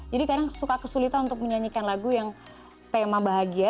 kadang suka kesulitan untuk menyanyikan lagu yang tema bahagia